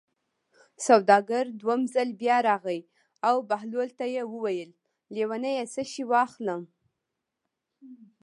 سوداګر دویم ځل بیا راغی او بهلول ته یې وویل: لېونیه څه شی واخلم.